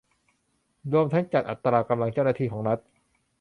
รวมทั้งจัดอัตรากำลังเจ้าหน้าที่ของรัฐ